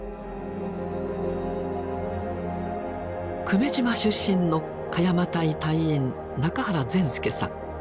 久米島出身の鹿山隊隊員仲原善助さん。